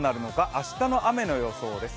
明日の雨の予想です。